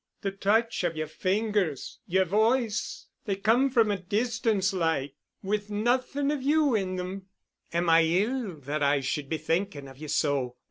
The touch of your fingers—your voice, they come from a distance like, with nothing of you in them. Am I ill that I should be thinking of you so?